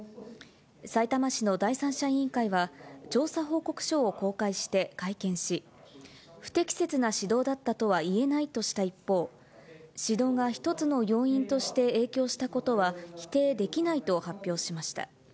さいたま市の第三者委員会は、調査報告書を公開して会見し、不適切な指導だったとは言えないとした一方、指導が一つの要因として影響したことは否定できないと発表しました。